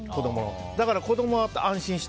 だから子供は安心した。